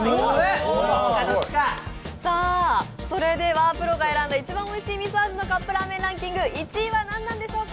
それではプロが選んだ一番おいしいみそ味のカップラーメンランキング、１位はなんなんでしょうか？